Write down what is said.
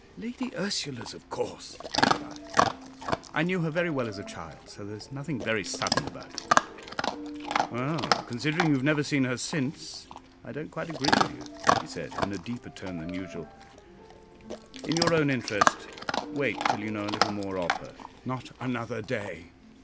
"Lady Ursula's, of course!" I replied. "I knew her very well as a child, so there is nothing very sudden about it. "Well, considering you have never seen her since, I don't quite agree with you," he said, in a deeper tone than usual. "In your own interest, wait till you know a little more of her." "Not another day!